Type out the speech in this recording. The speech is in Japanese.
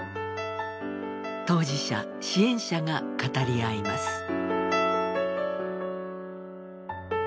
当事者支援者が語り合います。